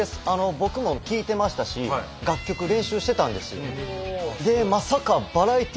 僕も聴いてましたし楽曲練習してたんですよ。